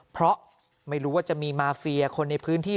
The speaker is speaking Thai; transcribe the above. เพราะไม่รู้ว่าจะมีมาเฟียคนในพื้นที่